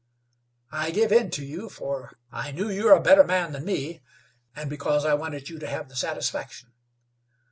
I give in to you, for I knew you're a better man than me, and because I wanted you to have the satisfaction.